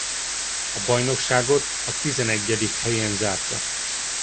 A bajnokságot a tizenegyedik helyen zárta.